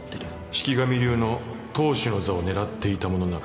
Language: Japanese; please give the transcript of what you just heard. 四鬼神流の当主の座を狙っていた者なら